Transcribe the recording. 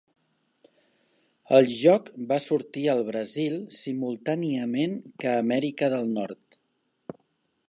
El joc va sortir al Brasil simultàniament que a Amèrica del Nord.